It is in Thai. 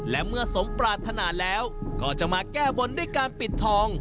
และเมื่อสมปรารถนาแล้วก็จะมาแก้บนด้วยการปิดทอง